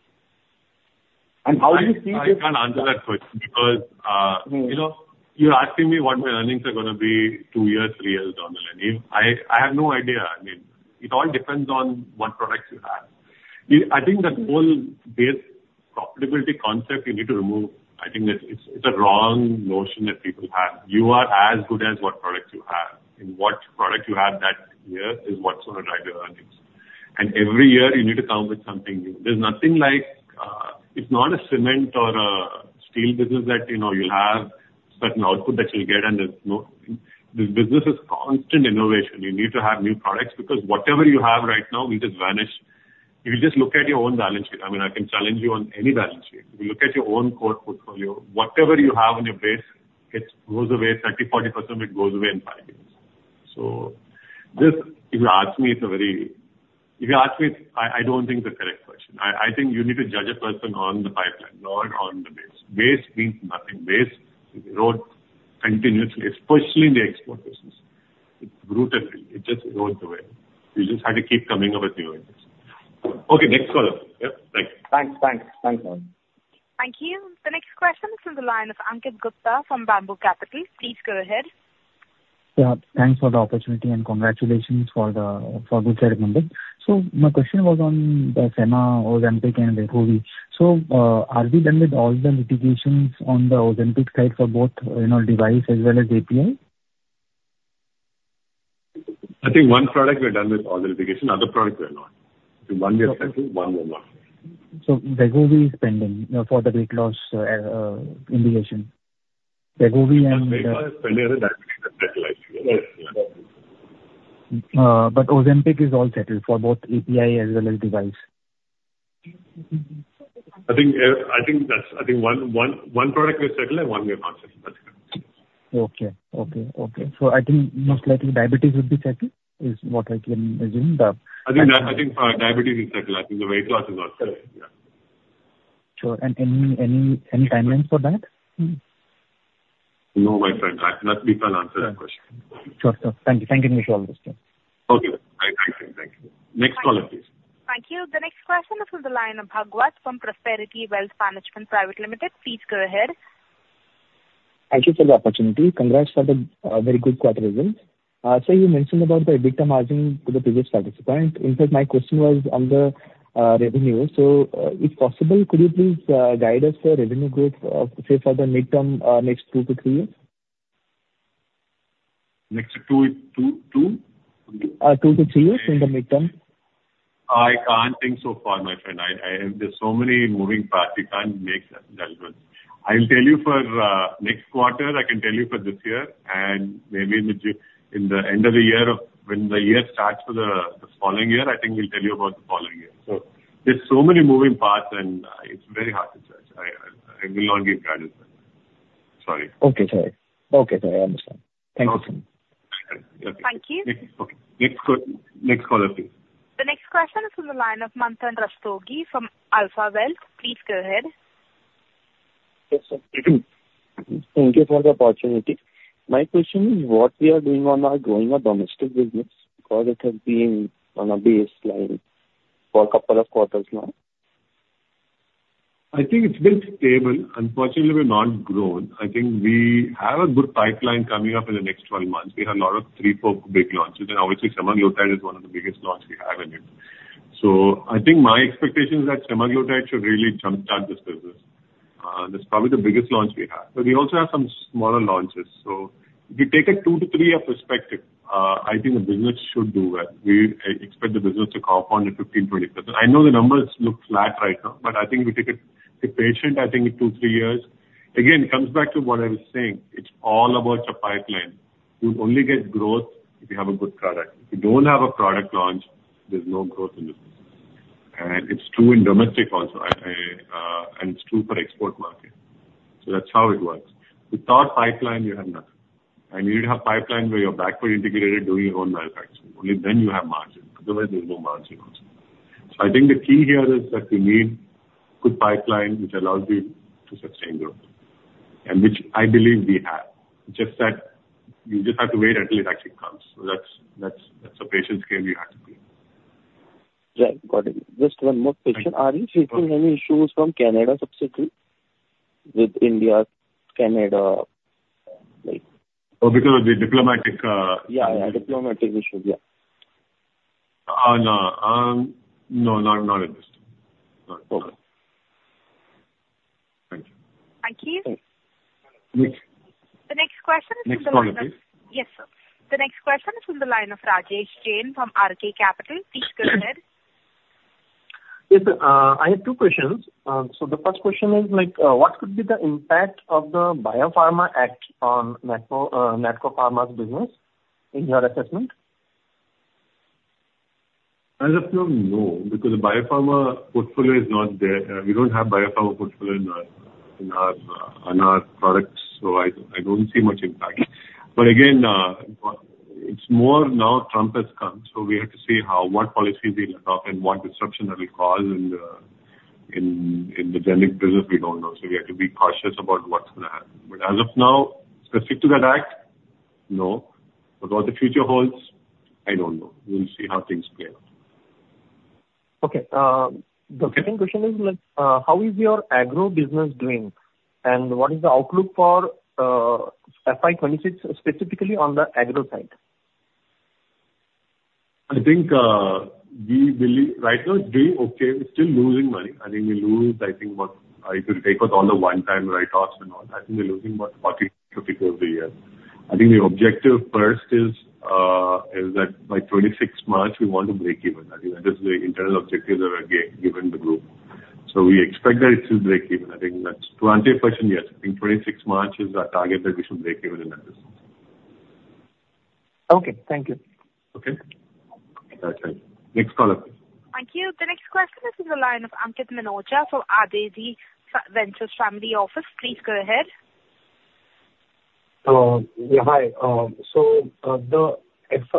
And how do you see this? I can't answer that question because you're asking me what my earnings are going to be two years, three years, Donald. I have no idea. I mean, it all depends on what products you have. I think the whole base profitability concept you need to remove, I think it's a wrong notion that people have. You are as good as what products you have. And what product you have that year is what's going to drive your earnings. And every year, you need to come up with something new. There's nothing like it's not a cement or a steel business that you'll have certain output that you'll get, and there's no the business is constant innovation. You need to have new products because whatever you have right now will just vanish. If you just look at your own balance sheet, I mean, I can challenge you on any balance sheet. If you look at your own core portfolio, whatever you have on your base, it goes away 30%-40% of it goes away in five years. So if you ask me, it's a very, I don't think it's a correct question. I think you need to judge a person on the pipeline, not on the base. Base means nothing. Base erodes continuously, especially in the export business. It's brutal. It just erodes away. You just have to keep coming up with new ideas. Okay. Next caller. Yeah. Thank you. Thanks. Thanks. Thanks, sir. Thank you. The next question is from the line of Ankit Gupta from Bamboo Capital. Please go ahead. Yeah. Thanks for the opportunity and congratulations for the good segment. So my question was on the semaglutide, Ozempic, and the Wegovy. So are we done with all the litigations on the Ozempic side for both device as well as API? I think one product we're done with all the litigation. Other products we're not. Of one we're settled, one we're not. Wegovy is pending for the weight loss indication. Wegovy and. Ozempic is pending and that's settled. But Ozempic is all settled for both API as well as device? I think that's one product we're settled and one we're not settled. That's it. Okay. So I think most likely diabetes would be settled is what I can assume. I think diabetes is settled. I think the weight loss is all settled. Yeah. Sure. And any timeline for that? No, my friend. I cannot be found to answer that question. Sure. Sure. Thank you. Thank you very much for all the questions. Okay. Thank you. Thank you. Next caller, please. Thank you. The next question is from the line of Bhagwat from Prosperity Wealth Management Private Limited. Please go ahead. Thank you for the opportunity. Congrats for the very good quarter results. So you mentioned about the mid-term margin to the previous participant. In fact, my question was on the revenue. So if possible, could you please guide us the revenue growth, say, for the mid-term, next two to three years? Next two to two? Two to three years in the mid-term. I can't think so far, my friend. There's so many moving parts. You can't make that judgment. I'll tell you for next quarter. I can tell you for this year, and maybe in the end of the year, when the year starts for the following year, I think we'll tell you about the following year, so there's so many moving parts, and it's very hard to judge. I will not give guidance. Sorry. Okay. Sorry. I understand. Thank you so much. Okay. Okay. Thank you. Okay. Next caller, please. The next question is from the line of Manthan Rastogi from Alpha Wealth. Please go ahead. Yes, sir. Thank you for the opportunity. My question is, what we are doing on growing our domestic business? Because it has been on a baseline for a couple of quarters now. I think it's been stable. Unfortunately, we've not grown. I think we have a good pipeline coming up in the next 12 months. We have a lot of three, four big launches. And obviously, semaglutide is one of the biggest launches we have in it. So I think my expectation is that semaglutide should really jump-start this business. That's probably the biggest launch we have. But we also have some smaller launches. So if you take a two- to three-year perspective, I think the business should do well. We expect the business to compound at 15%-20%. I know the numbers look flat right now, but I think if we take it, be patient, I think in two, three years. Again, it comes back to what I was saying. It's all about the pipeline. You'll only get growth if you have a good product. If you don't have a product launch, there's no growth in the business. And it's true in domestic also. And it's true for export market. So that's how it works. Without pipeline, you have nothing. And you need to have pipeline where you're backward integrated, doing your own manufacturing. Only then you have margin. Otherwise, there's no margin also. So I think the key here is that you need a good pipeline which allows you to sustain growth, and which I believe we have. Just that you just have to wait until it actually comes. So that's a patience game you have to play. Yeah. Got it. Just one more question. Are you facing any issues from Canada subsequently with India, Canada, like? Oh, because of the diplomatic? Yeah. Yeah. Diplomatic issues. Yeah. Oh, no. No, not in this time. Not in this time. Thank you. Thank you. The next question is from the line of. Next caller, please. Yes, sir. The next question is from the line of Rajesh Jain from RK Capital. Please go ahead. Yes, sir. I have two questions. So the first question is, what could be the impact of the BIOSECURE Act on Natco Pharma's business in your assessment? As of now, no. Because the biopharma portfolio is not there. We don't have biopharma portfolio in our products. So I don't see much impact. But again, it's more now Trump has come. So we have to see what policies he'll adopt and what disruption that will cause in the generic business. We don't know. So we have to be cautious about what's going to happen. But as of now, specific to that act, no. But what the future holds, I don't know. We'll see how things play out. Okay. The second question is, how is your agro business doing? And what is the outlook for FY 2026 specifically on the agro side? I think we believe right now, it's doing okay. We're still losing money. I think we lose, I think, what if you take out all the one-time write-offs and all, I think we're losing about 40-50 crores a year. I think the objective first is that by 26 March, we want to break even. I think that is the internal objective that we're given the group. So we expect that it will break even. I think that's to answer your question, yes. I think 26 March is our target that we should break even in that business. Okay. Thank you. Okay. That's it. Next caller, please. Thank you. The next question is from the line of Ankit Minocha from Adezi Ventures Family Office. Please go ahead. Yeah. Hi. So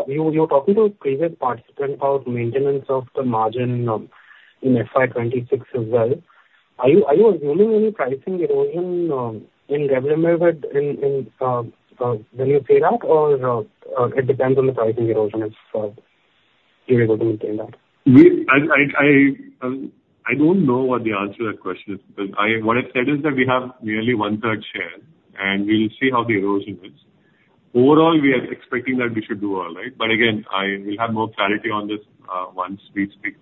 you were talking to a previous participant about maintenance of the margin in FY 2026 as well. Are you assuming any pricing erosion in revenue when you say that, or it depends on the pricing erosion if you're able to maintain that? I don't know what the answer to that question is. What I've said is that we have nearly one-third share, and we'll see how the erosion is. Overall, we are expecting that we should do all right. But again, we'll have more clarity on this once we speak.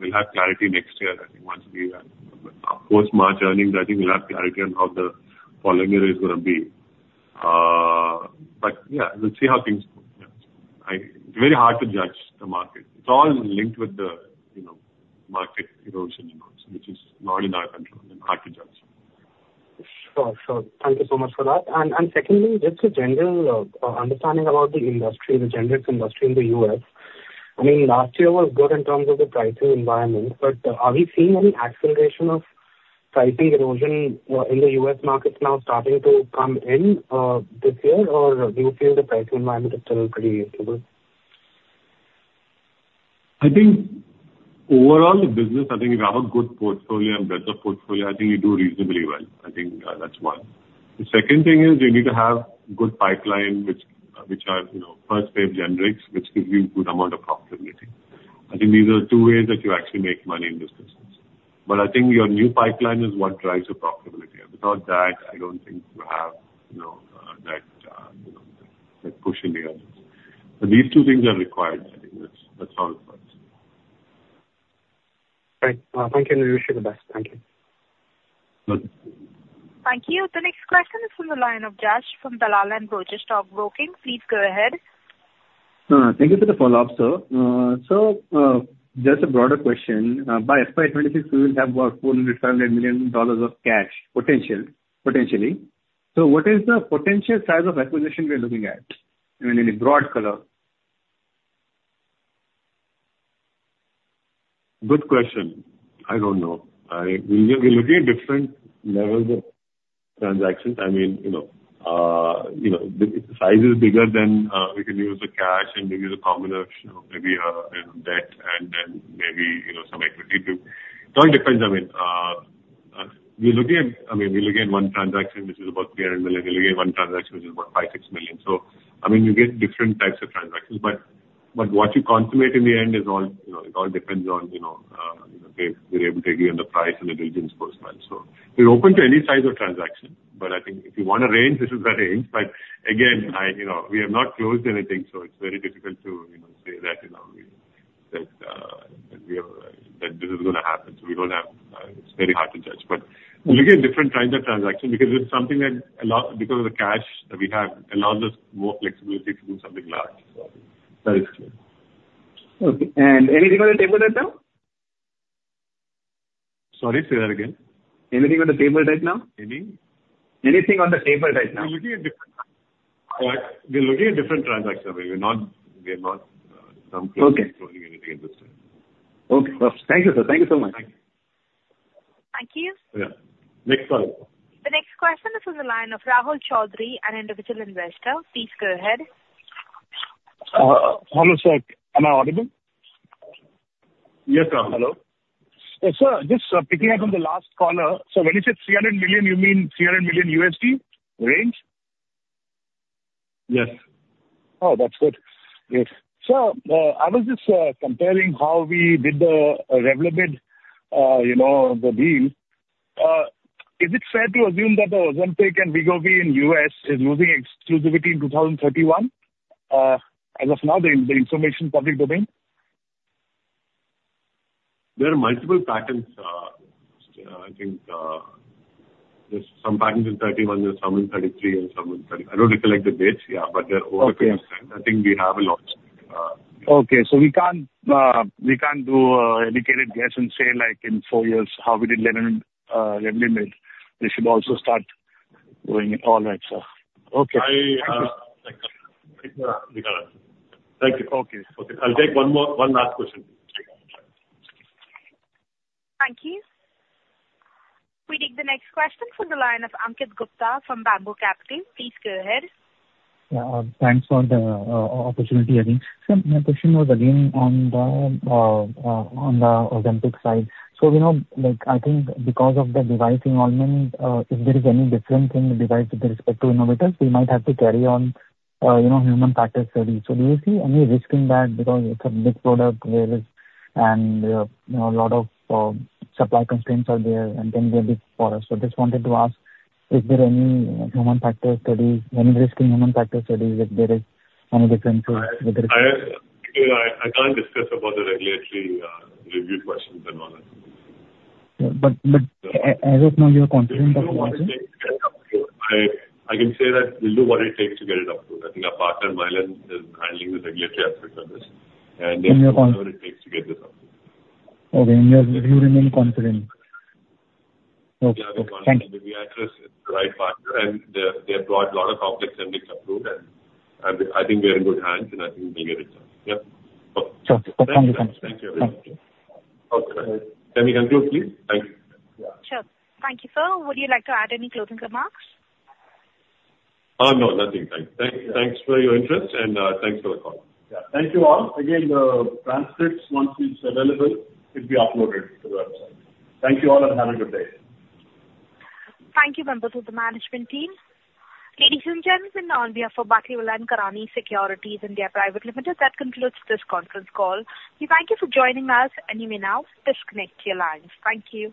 We'll have clarity next year, I think, once we post March earnings. I think we'll have clarity on how the following year is going to be. But yeah, we'll see how things go. Yeah. It's very hard to judge the market. It's all linked with the market erosion and all, which is not in our control, and hard to judge. Sure. Sure. Thank you so much for that. And secondly, just a general understanding about the industry, the generics industry in the U.S. I mean, last year was good in terms of the pricing environment. But are we seeing any acceleration of pricing erosion in the U.S. markets now starting to come in this year, or do you feel the pricing environment is still pretty reasonable? I think overall, the business, I think if you have a good portfolio and better portfolio, I think you do reasonably well. I think that's one. The second thing is you need to have good pipeline, which are first-wave generics, which gives you a good amount of profitability. I think these are two ways that you actually make money in this business. But I think your new pipeline is what drives your profitability. Without that, I don't think you have that push in the earnings. But these two things are required. I think that's how it works. Great. Thank you. And I wish you the best. Thank you. Thank you. The next question is from the line of Jash from Dalal & Broacha Stock Broking. Please go ahead. Thank you for the follow-up, sir, so just a broader question. By FY 2026, we will have about $400 million-$500 million of cash potentially, so what is the potential size of acquisition we're looking at in broad color? Good question. I don't know. We're looking at different levels of transactions. I mean, if the size is bigger, then we can use the cash and maybe the combination of maybe a debt and then maybe some equity too. It all depends. I mean, we're looking at one transaction, which is about $300 million. We're looking at one transaction, which is about $5 million-$6 million. So I mean, you get different types of transactions. But what you consummate in the end is all it depends on if we're able to agree on the price and the diligence goes well. So we're open to any size of transaction. But I think if you want a range, this is that range. But again, we have not closed anything, so it's very difficult to say that this is going to happen. So we don't have. It's very hard to judge. But we're looking at different kinds of transactions because it's something that a lot because of the cash that we have allows us more flexibility to do something large. So that is clear. Okay. And anything on the table right now? Sorry. Say that again. Anything on the table right now? Any? Anything on the table right now? We're looking at different transactions. We're not closing anything at this time. Okay. Perfect. Thank you, sir. Thank you so much. Thank you. Thank you. Yeah. Next caller. The next question is from the line of Rahul Chaudhary, an individual investor. Please go ahead. Hello, sir. Am I audible? Yes, sir. Hello. Yes, sir. Just picking up on the last caller. So when you said $300 million, you mean $300 million range? Yes. Oh, that's good. Good. Sir, I was just comparing how we did the Revlimid deal. Is it fair to assume that the Ozempic and Wegovy in the U.S. is losing exclusivity in 2031? As of now, the information public domain? There are multiple patents. I think there's some patents in 2031, there's some in 2033, and some in 2034. I don't recollect the dates. Yeah. But they're over 50%. I think we have a lot of. Okay. So we can't do a dedicated guess and say in four years how we did Revlimid. They should also start doing it. All right, sir. Okay. Thank you. Thank you. Thank you. Okay. I'll take one last question. Thank you. We take the next question from the line of Ankit Gupta from Bamboo Capital. Please go ahead. Yeah. Thanks for the opportunity, I think. Sir, my question was again on the Ozempic side. So I think because of the device involvement, if there is any difference in the device with respect to innovators, we might have to carry on human factors studies. So do you see any risk in that because it's a big product and a lot of supply constraints are there, and then they're big for us? So just wanted to ask, is there any human factors studies, any risk in human factors studies if there is any difference with the? I can't discuss about the regulatory review questions and all that. I don't know your confidence of what? I can say that we'll do what it takes to get it approved. I think our partner, Mylan, is handling the regulatory aspect of this, and they've gone over what it takes to get this approved. Okay, and you remain confident? Yeah. We've addressed the right partner, and they've brought a lot of complex indications approved. I think we're in good hands, and I think we'll get it done. Yeah. Okay. Thank you so much. Thank you. Thank you. Okay. Let me conclude, please. Thank you. Sure. Thank you, sir. Would you like to add any closing remarks? No. Nothing. Thanks. Thanks for your interest, and thanks for the call. Yeah. Thank you all. Again, the transcripts, once it's available, it'll be uploaded to the website. Thank you all, and have a good day. Thank you to the management team. Ladies and gentlemen all, we are from Batlivala & Karani Securities India Private Limited. That concludes this conference call. We thank you for joining us, and you may now disconnect your lines. Thank you.